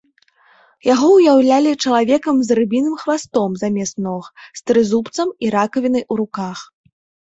Яго ўяўлялі чалавекам з рыбіным хвастом замест ног, з трызубцам і ракавінай у руках.